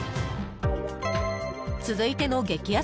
続いての激安